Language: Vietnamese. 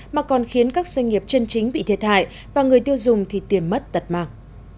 mà còn khiến các doanh nghiệp chân chính bị thiệt hại và người tiêu dùng thì tiền mất tật mạng